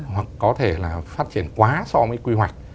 hoặc có thể là phát triển quá so với quy hoạch